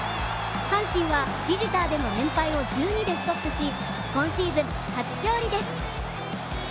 阪神はビジターでの連敗を１２でストップし、今シーズン初勝利です。